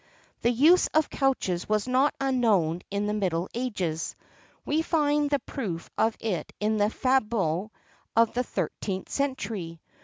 The use of couches was not unknown in the middle ages; we find the proof of it in the fabliaux of the 13th century.